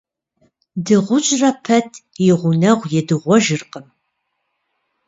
Дыгъужьырэ пэт и гъунэгъу едыгъуэжыркъым.